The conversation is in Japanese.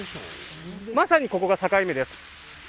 まさにここが境目です。